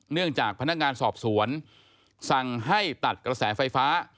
จากพนักงานสอบสวนสั่งให้ตัดกระแสไฟฟ้า